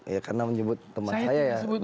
ya karena menyebut teman saya ya